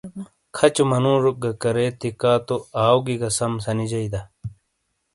کھَچو مَنُوجوک گہ کرے تِیکا تو آؤگی گہ سَم سَنیجئی دا۔